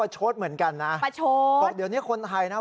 เหมือนกันล่ะประโชทเดี๋ยวเนี้ยคุณไทยนะ